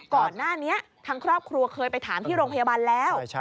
ก่อนหน้านี้ทางครอบครัวเคยไปถามที่โรงพยาบาลแล้ว